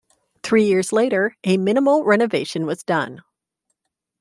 Three years later, a minimal renovation was done.